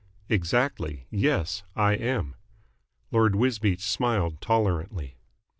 "Exactly. Yes, I am." Lord Wisbeach smiled tolerantly.